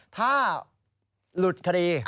ถ้าหลุดคดี